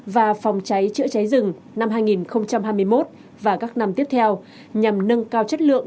và phòng cháy chữa cháy rừng năm hai nghìn hai mươi một và các năm tiếp theo nhằm nâng cao chất lượng